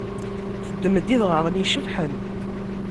Teddem-d idɣaɣen icebḥen.